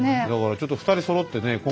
だからちょっと２人そろってね